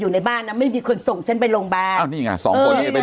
อยู่ในบ้านน่ะไม่มีคนส่งฉันไปโรงบาลเอ้านี่ไง๒คนเนี่ยไปโรงบาล